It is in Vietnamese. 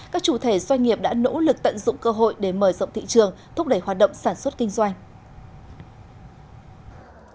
các chủ thể doanh nghiệp đã nỗ lực tận dụng cơ hội để mở rộng thị trường thúc đẩy hoạt động sản xuất kinh doanh